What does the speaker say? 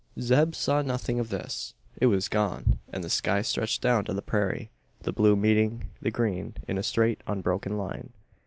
Zeb saw nothing of this. It was gone; and the sky stretched down to the prairie the blue meeting the green in a straight unbroken line.